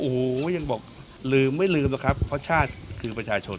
เหลือไม่ลืมเค้าชาติคือประชาชน